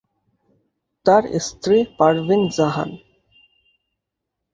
তার স্ত্রী পারভীন জাহান।